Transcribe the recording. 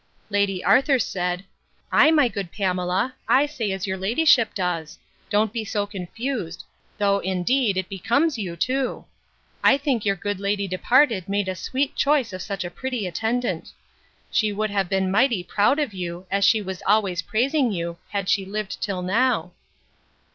Lady Arthur said, Ay, my good Pamela, I say as her ladyship says: Don't be so confused; though, indeed, it becomes you too. I think your good lady departed made a sweet choice of such a pretty attendant. She would have been mighty proud of you, as she always was praising you, had she lived till now.